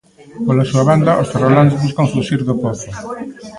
Pola súa banda, os ferroláns buscan fuxir do pozo.